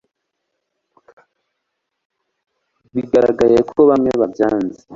bigaragaye ko bamwe babyanze